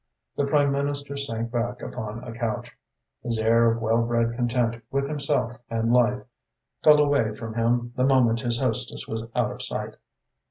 The Prime Minister sank back upon a couch. His air of well bred content with himself and life fell away from him the moment his hostess was out of sight.